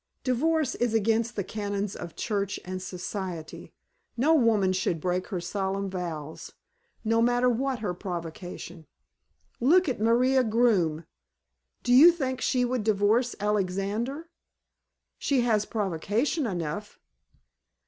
"Divorce is against the canons of Church and Society. No woman should break her solemn vows, no matter what her provocation. Look at Maria Groome. Do you think she would divorce Alexander? She has provocation enough."